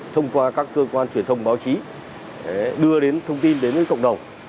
thông qua các cơ quan truyền thông báo chí đưa thông tin đến với cộng đồng